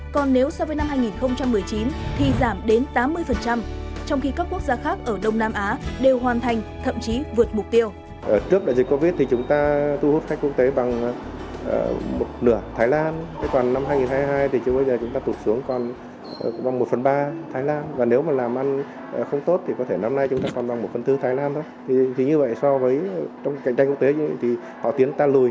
còn nếu so với năm hai nghìn một mươi chín thì giảm đến tám mươi trong khi các quốc gia khác ở đông nam á đều hoàn thành thậm chí vượt mục tiêu